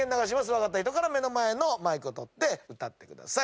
分かった人からマイクを取って歌ってください。